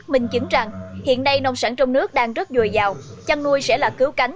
minh chứng rằng hiện nay nông sản trong nước đang rất dồi dào chăn nuôi sẽ là cứu cánh